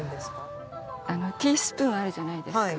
ティースプーンあるじゃないですか？